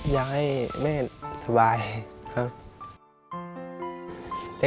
อยากให้แม่สบายครับ